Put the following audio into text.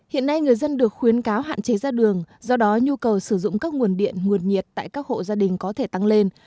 hiện nay người dân được khuyến cáo hạn chế ra đường do đó nhu cầu sử dụng các nguồn điện nguồn nhiệt tại các hộ gia đình có thể tăng lên